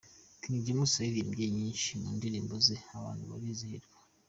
King James yaririmbye nyinshi mu ndirimbo ze, abantu barizihirwa.